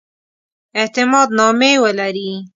اعتماد نامې ولري.